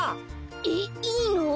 えっいいの？